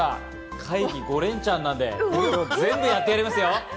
会議５連ちゃんなんで、全部やってやりますよ！